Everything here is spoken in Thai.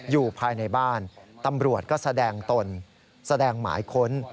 อยู่ภายในบ้านตำรวจก็แสดงตนแสดงหมายค้น